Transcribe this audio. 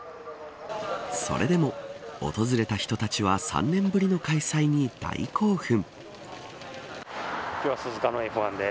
それでも、訪れた人たちは３年ぶりの開催に大興奮。